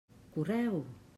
Correu!